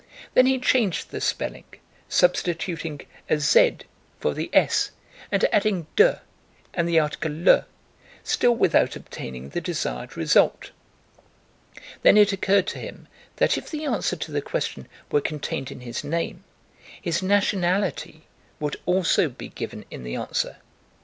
Then he changed the spelling, substituting a z for the s and adding de and the article le, still without obtaining the desired result. Then it occurred to him: if the answer to the question were contained in his name, his nationality would also be given in the answer.